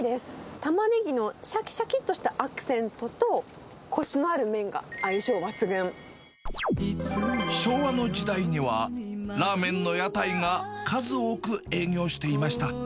たまねぎのしゃきしゃきっとしたアクセントと、昭和の時代には、ラーメンの屋台が数多く営業していました。